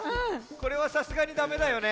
これはさすがにダメだよね。